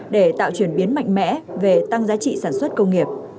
để tạo chuyển biến mạnh mẽ về tăng giá trị sản xuất công nghiệp